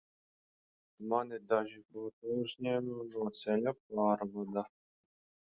Man ir daži fotouzņēmumi no ceļa pārvada.